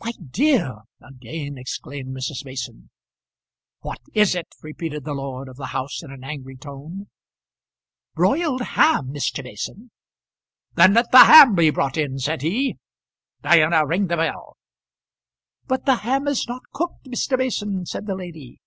"My dear!" again exclaimed Mrs. Mason. "What is it?" repeated the lord of the house in an angry tone. "Broiled ham, Mr. Mason." "Then let the ham be brought in," said he. "Diana, ring the bell." "But the ham is not cooked, Mr. Mason," said the lady.